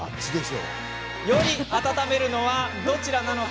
より温めるのはどちらなのか？